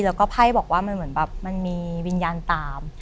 แล้วก็ไพ่บอกว่ามันเหมือนแบบมันมีวิญญาณตาม